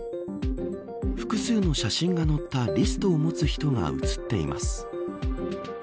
複数の写真が載ったリストを持つ人が映っています。